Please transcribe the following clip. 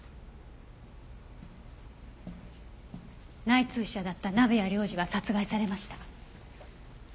内通者だった鍋谷亮次は殺害されました。